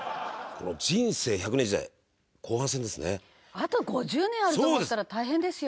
あと５０年あると思ったら大変ですよ。